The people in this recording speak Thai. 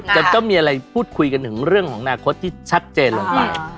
จะต้องมีอะไรพูดคุยกันถึงเรื่องของอนาคตที่ชัดเจนลงไป